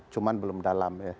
cuma belum dalam ya